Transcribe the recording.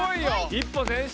一歩前進。